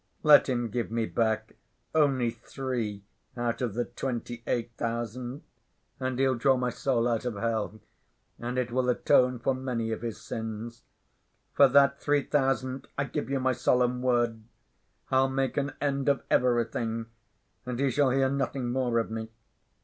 Let him give me back only three out of the twenty‐eight thousand, and he'll draw my soul out of hell, and it will atone for many of his sins. For that three thousand—I give you my solemn word—I'll make an end of everything, and he shall hear nothing more of me.